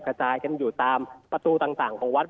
กระจายกันอยู่ตามประตูต่างของวัด